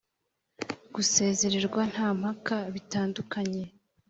gusezererwa nta mpaka bitandukanye